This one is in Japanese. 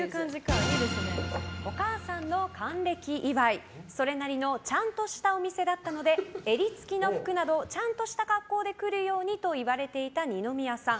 お母さんの還暦祝いそれなりのちゃんとしたお店だったので襟付きの服などちゃんとした格好で来るようにと言われていた二宮さん。